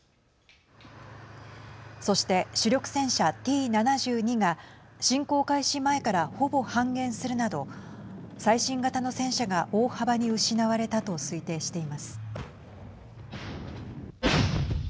そして、主力戦車Ｔ７２が侵攻開始前からほぼ半減するなど最新型の戦車が大幅に失われたと推定しています。